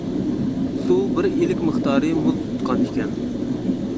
سۇ بىر ئىلىك مىقدارى مۇز تۇتقان ئىكەن.